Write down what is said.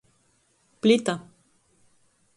Plita.